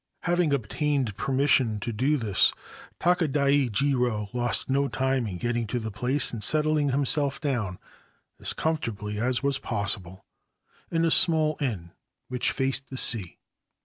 Having obtained permission to do this, Takadai Jirc lost no time in getting to the place and settling himsell down, as comfortably as was possible, in a small inn which faced the sea.